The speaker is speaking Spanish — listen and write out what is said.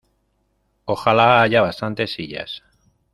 Ojalá haya bastantes sillas.